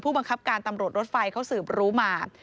บังคับการตำรวจรถไฟเขาสืบรู้มา